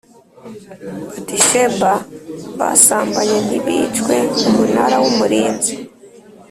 Batisheba basambanye ntibicwe Umunara w Umurinzi